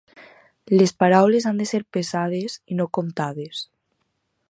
Les paraules han de ser pesades i no comptades.